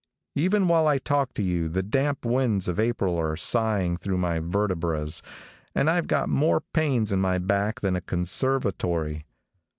Even while I talk to you, the damp winds of April are sighing through my vertebras, and I've got more pains in my back than a conservatory.